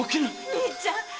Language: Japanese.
兄ちゃん！